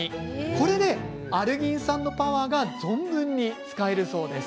これでアルギン酸のパワーが存分に使えるそうです。